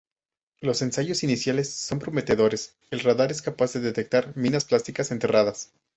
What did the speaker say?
Los ensayos iniciales son prometedores; el radar es capaz de detectar minas plásticas enterradas.